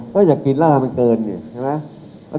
ก็อยากกินแล้วมันเกินใช่ไหม